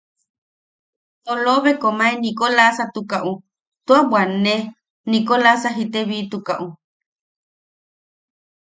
Polobe komae Nikolasatukaʼu tua bwanne, Nikolasa jitebitukaʼu.